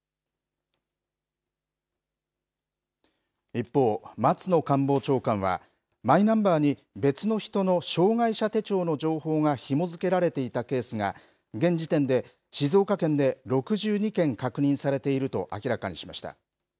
一方、松野官房長官は、マイナンバーに別の人の障害者手帳の情報がひも付けられていたケースが、現時点で静岡県で６２件確認されていると明らかにしました。